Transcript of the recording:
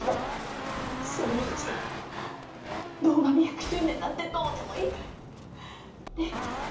卓ちゃん堂上１００周年なんてどうでもいいから玲子さん治してあげて！